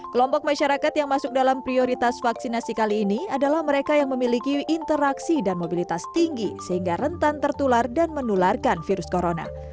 kelompok masyarakat yang masuk dalam prioritas vaksinasi kali ini adalah mereka yang memiliki interaksi dan mobilitas tinggi sehingga rentan tertular dan menularkan virus corona